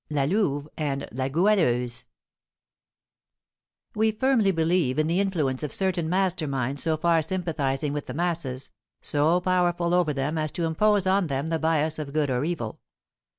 LA LOUVE AND LA GOUALEUSE. We firmly believe in the influence of certain master minds so far sympathising with the masses, so powerful over them as to impose on them the bias of good or evil.